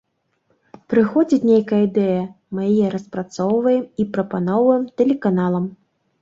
Прыходзіць нейкая ідэя, мы яе распрацоўваем і прапаноўваем тэлеканалам.